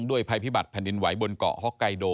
ภัยพิบัตรแผ่นดินไหวบนเกาะฮอกไกโด